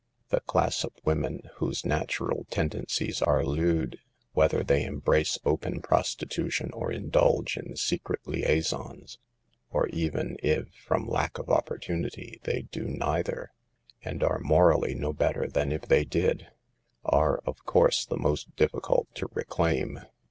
The class of women whose natural tendencies are lewd, whether they embrace open prostitu tion or indulge in secret liaisons, or even if, from lack of opportunity, they do neither (and are morally no better than if they did), are, of course, the most difficult to reclaim.